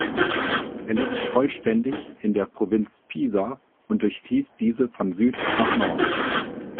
Er liegt vollständig in der Provinz Pisa und durchfließt diese von Süd nach Nord.